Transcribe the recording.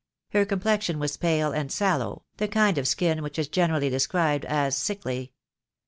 Her complexion was pale and sallow, the kind of skin which is generally described as sickly.